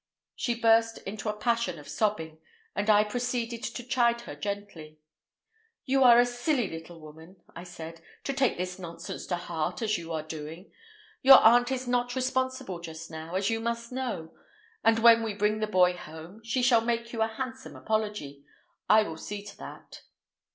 She burst into a passion of sobbing, and I proceeded to chide her gently. "You are a silly little woman," I said, "to take this nonsense to heart as you are doing. Your aunt is not responsible just now, as you must know; but when we bring the boy home she shall make you a handsome apology. I will see to that."